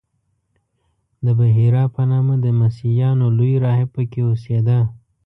د بحیرا په نامه د مسیحیانو یو لوی راهب په کې اوسېده.